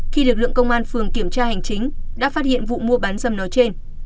khi lực lượng công an phường kiểm tra hành chính đã phát hiện vụ mua bán dâm nói trên